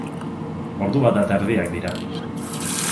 Ordu bat eta erdiak dira.